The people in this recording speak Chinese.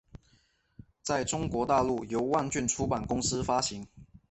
在中国大陆由万卷出版公司发行。